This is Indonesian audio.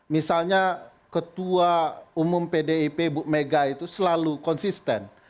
misalnya ketua umum pdip bu mega itu selalu konsisten